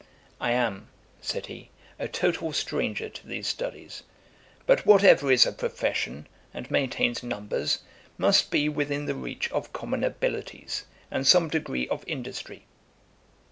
'I am (said he) a total stranger to these studies; but whatever is a profession, and maintains numbers, must be within the reach of common abilities, and some degree of industry.'